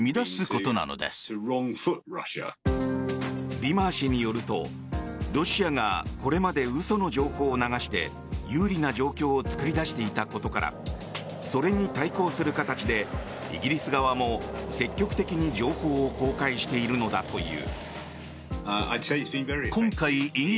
リマー氏によると、ロシアがこれまで嘘の情報を流して有利な状況を作り出していたことからそれに対抗する形でイギリス側も積極的に情報を公開しているのだという。